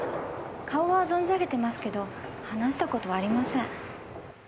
顔は存じ上げてますけど話した事はありません。